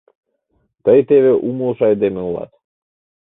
Тый теве умылышо айдеме улат.